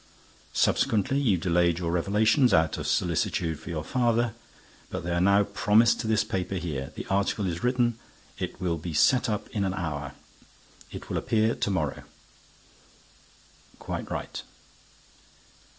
Subsequently, you delayed your revelations, out of solicitude for your father. But they are now promised to this paper here. The article is written. It will be set up in an hour. It will appear to morrow." "Quite right."